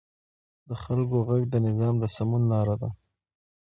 د خلکو غږ د نظام د سمون لار ده